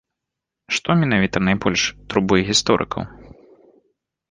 Што менавіта найбольш турбуе гісторыкаў?